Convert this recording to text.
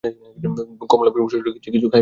কমলা বিমর্ষ হইয়া কহিল, কিছু খাইবে না?